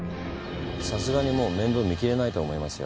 さすがにもう面倒見きれないと思いますよ